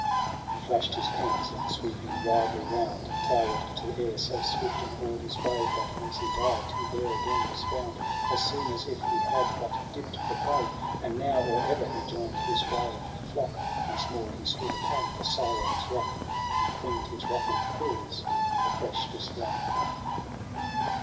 i6 He flasht his pens, and sweeping widely round Tower'd to air • so swift in all his way. That whence he dived he there again was found As soon as if he had but dipt for prey : And now, or e'er he join'd his wailful flock. Once more he stood upon the Sirens' rock. And preen'd his ruffl'd quills for fresh display.